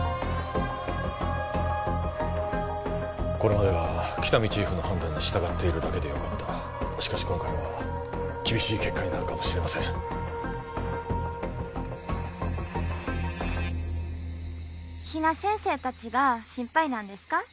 これまでは喜多見チーフの判断に従っているだけでよかったしかし今回は厳しい結果になるかもしれません比奈先生達が心配なんですか？